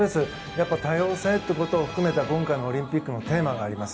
やっぱり多様性ということを含めた今回のオリンピックのテーマがあります。